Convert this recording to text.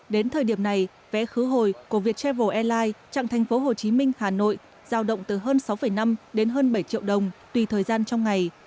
đến thời điểm này vé khứ hồi của viet travel airline trạng thành phố hồ chí minh hà nội giao động từ hơn sáu năm đến hơn bảy triệu đồng tùy thời gian trong ngày